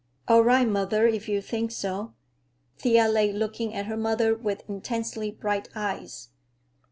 "All right, mother, if you think so." Thea lay looking at her mother with intensely bright eyes.